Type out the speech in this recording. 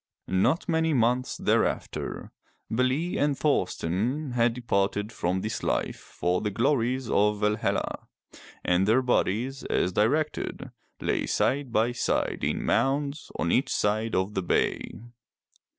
*' Not many months thereafter, Bele and Thorsten had departed from this life for the glories of Valhalla, and their bodies, as directed, lay side by side in mounds on each side of the bay.